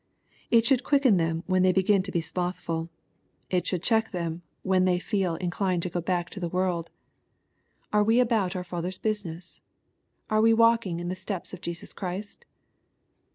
It should quicken them when they begin to be slothfuL It should check them when they feei 82 EXPOSITORY THOUGHTS. inclined to go back to the world. — ''Are we about our Father's business ? Are we walking in the steps of Jesus Christ